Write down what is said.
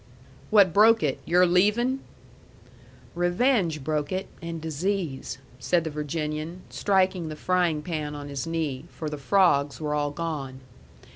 "What broke it? Your leaving?" "Revenge broke it, and disease," said the Virginian, striking the frying pan on his knee, for the frogs were all gone.